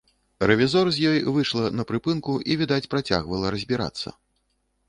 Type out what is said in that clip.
Рэвізор з ёй выйшла на прыпынку і, відаць, працягвала разбірацца.